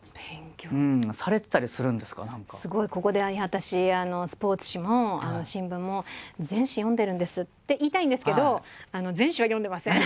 すごいここで「私スポーツ紙も新聞も全紙読んでるんです」って言いたいんですけど全紙は読んでません。